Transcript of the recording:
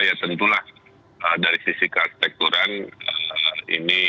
ya tentulah dari sisi kartekturan ini